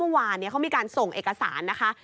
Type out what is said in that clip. เมื่อวานเขามีการส่งเอกสารนะคะ